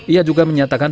ia juga menyatakan